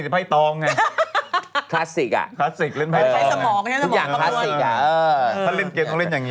ไฟตองไงคลาสสิกอะใช้สมองใช้สมองก็ปล้วนถ้าเล่นเกรนต้องเล่นอย่างนี้